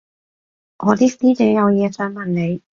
我啲師姐有嘢想問你